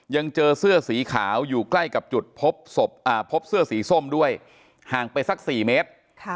ยังเจอเสื้อสีขาวอยู่ใกล้กับจุดพบศพพบเสื้อสีส้มด้วยห่างไปสัก๔เมตร